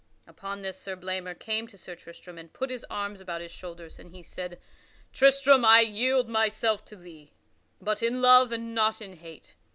Upon this Sir Blamor came to Sir Tristram and put his arms about his shoulders, and he said: "Tristram, I yield myself to thee, but in love and not in hate.